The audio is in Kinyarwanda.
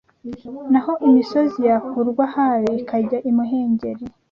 Naho imisozi yakurwa ahayo, ikajya imuhengeri.